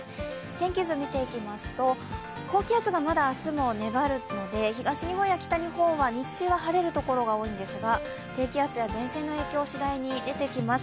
天気図見ていきますと、高気圧がまだ明日も粘るので東日本や北日本は日中は晴れるところが多いんですが低気圧や前線の影響、次第に出てきます。